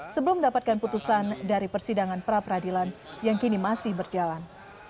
sebelum mendapatkan putusan dari persidangan pra peradilan yang kini masih berjalan